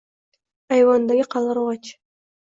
— Ayvondagi qaldirg’och.